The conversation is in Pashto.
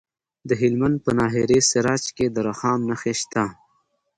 د هلمند په ناهري سراج کې د رخام نښې شته.